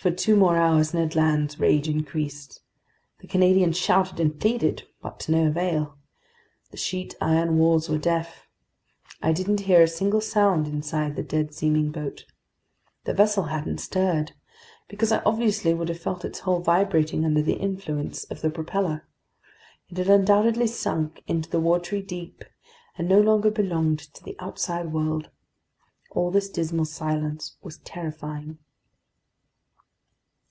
For two more hours Ned Land's rage increased. The Canadian shouted and pleaded, but to no avail. The sheet iron walls were deaf. I didn't hear a single sound inside this dead seeming boat. The vessel hadn't stirred, because I obviously would have felt its hull vibrating under the influence of the propeller. It had undoubtedly sunk into the watery deep and no longer belonged to the outside world. All this dismal silence was terrifying.